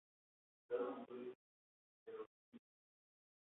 Cada motor utilizaba un sistema hidráulico independiente.